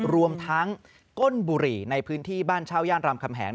รวมทั้งก้นบุหรี่ในพื้นที่บ้านเช่าย่านรามคำแหง